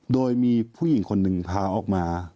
โดยมีผู้หญิงคนหนึ่งพาออกมา